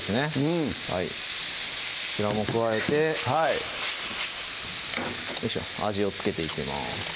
うんこちらも加えて味を付けていきます